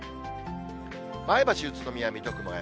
前橋、宇都宮、水戸、熊谷。